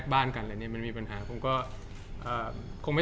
จากความไม่เข้าจันทร์ของผู้ใหญ่ของพ่อกับแม่